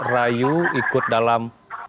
rayu ikut dalam